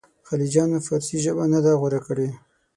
خلجیانو فارسي ژبه نه ده غوره کړې.